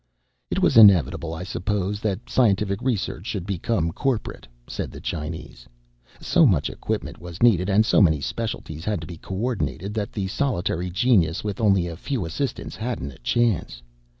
"It was inevitable, I suppose, that scientific research should become corporate," said the Chinese. "So much equipment was needed, and so many specialties had to be coordinated, that the solitary genius with only a few assistants hadn't a chance.